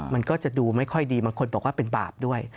มันก็จะดูไม่ค่อยดีบางคนบอกว่าเป็นบาปด้วย